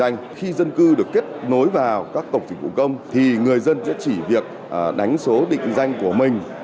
nếu được kết nối vào các tổng dịch vụ công thì người dân sẽ chỉ việc đánh số định danh của mình